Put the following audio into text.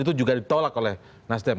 itu juga ditolak oleh nasdem